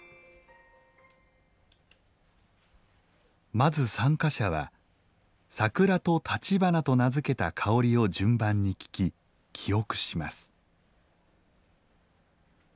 まず参加者は「桜」と「橘」と名付けた香りを順番に聞き、記憶します。